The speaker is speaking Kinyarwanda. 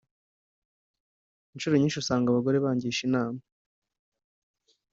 Inshuro nyinshi usanga abagore bangisha inama